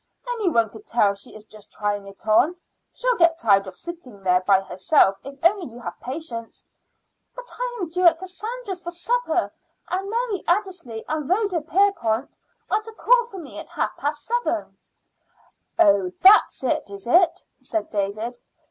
"Any one could tell she is just trying it on. She'll get tired of sitting there by herself if only you have patience." "But I am due at Cassandra's for supper" and Mary Addersley and Rhoda Pierpont are to call for me at half past seven." "Oh, that's it, is it?" said David.